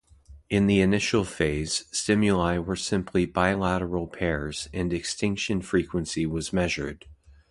In the initial phase, stimuli were simply bilateral pairs, and extinction frequency was measured.